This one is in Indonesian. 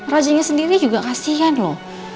rajinnya sendiri juga kasihan loh